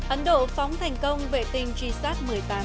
ấn độ phóng thành công vệ tinh g sat một mươi tám